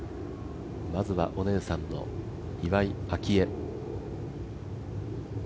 まずはお姉さんの岩井明愛。